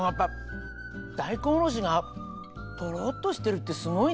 大根おろしがトロっとしてるってすごいね。